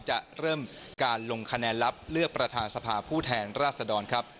จะเริ่มการลงคะแนนลับเลือกประธานสภาผู้แทนราชดรครับ